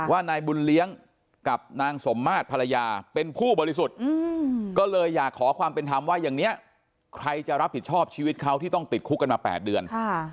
ว่านายบุญเลี้ยงกับนางสมมาตรภรรยาเป็นผู้บริสุทธิ์ก็เลยอยากขอความเป็นธรรมว่าอย่างนี้ใครจะรับผิดชอบชีวิตเขาที่ต้องติดคุกกันมา๘เดือน